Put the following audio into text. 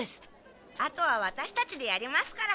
あとはワタシたちでやりますから。